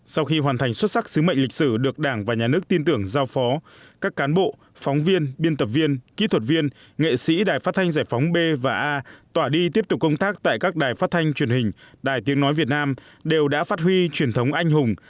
sau khi hoàn thành xuất sắc sứ mệnh lịch sử được đảng và nhà nước tin tưởng giao phó các cán bộ phóng viên biên tập viên kỹ thuật viên nghệ sĩ đài phát thanh giải phóng b và a tỏa đi tiếp tục công tác tại các đài phát thanh truyền hình đài tiếng nói việt nam đều đã phát huy truyền thống anh hùng